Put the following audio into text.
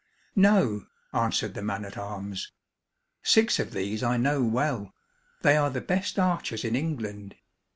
"No," answered the man at arms. "Six of these I know well. They are the best archers in England.